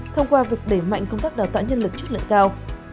thông qua việc đẩy mạnh công tác đào tạo nhân lực chất lượng cao